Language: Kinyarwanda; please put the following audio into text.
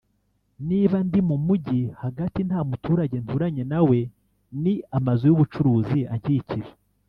Niba ndi mu Mujyi hagati nta muturage nturanye na we ni amazu y’ubucuruzi ankikije